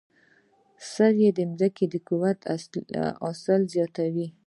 سرې د ځمکې قوت او حاصل ډیروي.